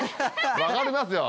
分かりますよ